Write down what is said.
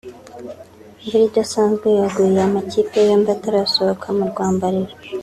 imvura idasanzwe yaguye amakipe yombi atarasohoka mu rwambariro